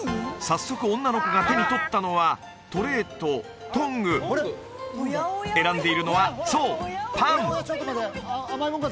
早速女の子が手に取ったのはトレイとトング選んでいるのはそうパン！